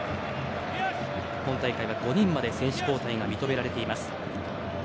今大会は５人まで選手交代が認められています。